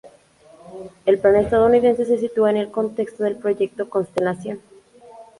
El plan estadounidense se sitúa en el contexto del Proyecto Constelación.